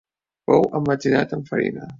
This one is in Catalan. Fou emmetzinat amb farina.